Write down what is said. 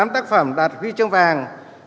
bốn mươi tám tác phẩm đạt huy chương vàng